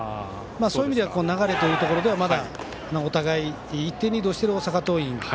そういう意味では流れというところではまだお互い１点をリードしている大阪桐蔭。